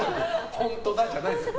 本当だじゃないですよ。